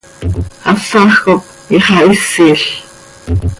Hasaj cop ixahisil.